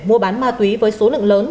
mua bán ma túy với số lượng lớn